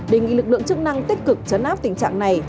đề nghị lực lượng chức năng tích cực chấn áp tình trạng này